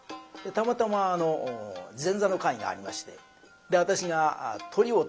たまたま前座の会がありましてで私がトリをとるという。